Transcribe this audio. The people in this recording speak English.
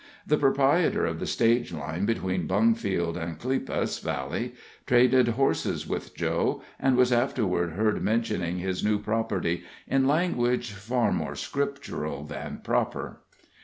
The proprietor of the stage line between Bungfield and Cleopas Valley traded horses with Joe, and was afterward heard mentioning his new property in language far more scriptural than proper.